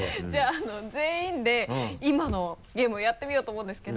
全員で今のゲームをやってみようと思うんですけど。